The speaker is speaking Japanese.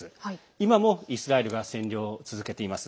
今もイスラエルが占領を続けています。